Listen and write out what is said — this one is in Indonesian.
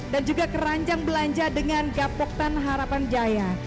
dan juga keranjang belanja dengan gaboktan harapan jaya